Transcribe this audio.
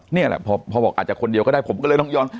นี่แหละพอบอกอาจจะคนเดียวก็ได้ผมก็เลยต้องย้อน